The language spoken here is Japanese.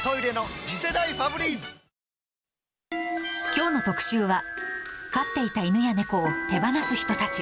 きょうの特集は、飼っていた犬や猫を手放す人たち。